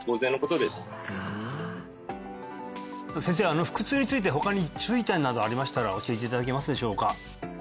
先生腹痛について他に注意点などありましたら教えていただけますでしょうか？